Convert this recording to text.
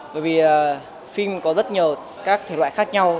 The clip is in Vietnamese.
bởi vì phim có rất nhiều các thể loại khác nhau